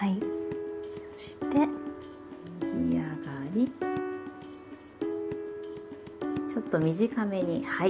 そして右上がりちょっと短めにはい。